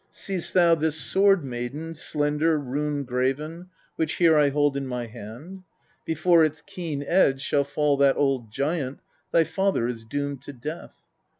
See'st thou this sword, maiden, slender, rune graven, which here I hold in my hand ? Before its keen edge shall fall that old Giant, thy father is doomed to death.